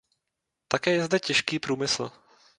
Také je zde těžký průmysl.